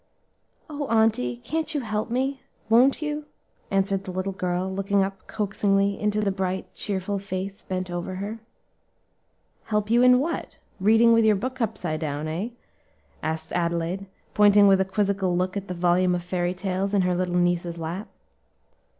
"O auntie! can't you help me? won't you?" answered the little girl, looking up coaxingly into the bright, cheerful face bent over her. "Help you in what? reading with your book upside down, eh?" asked Adelaide, pointing with a quizzical look at the volume of fairy tales in her little niece's lap.